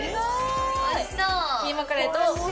おいしそう。